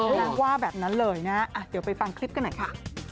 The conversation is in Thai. นางว่าแบบนั้นเลยนะเดี๋ยวไปฟังคลิปกันหน่อยค่ะ